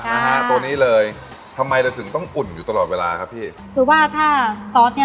นะฮะตัวนี้เลยทำไมเราถึงต้องอุ่นอยู่ตลอดเวลาครับพี่คือว่าถ้าซอสเนี้ย